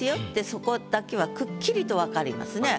そこだけはくっきりと分かりますね。